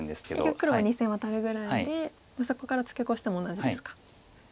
結局黒は２線をワタるぐらいでそこからツケコしても同じですか。